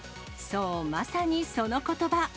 そう、まさにそのことば。